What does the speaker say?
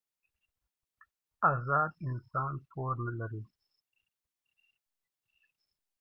ازاد انسان پور نه لري.